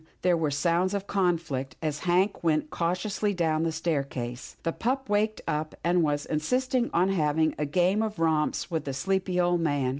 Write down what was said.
there were sounds of a conflict, as Hank went cautiously down the staircase. The pup had waked up, and was insisting on having a game of romps with the sleepy old man.